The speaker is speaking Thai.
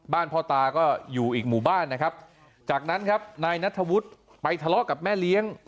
พ่อตาก็อยู่อีกหมู่บ้านนะครับจากนั้นครับนายนัทธวุฒิไปทะเลาะกับแม่เลี้ยง